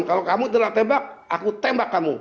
kalau kamu telak tembak aku tembak kamu